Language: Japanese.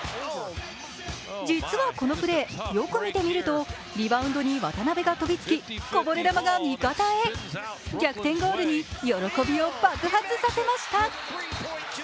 実はこのプレー、よく見てみるとリバウンドに渡邊が飛びつきこぼれ球が味方へ、逆転ゴールに喜びを爆発させました。